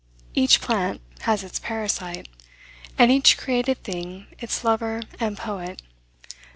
Each plant has its parasite, and each created thing its lover and poet.